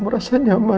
dan rasa lemah